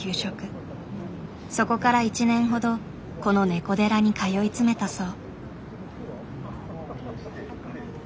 そこから１年ほどこのねこ寺に通い詰めたそう。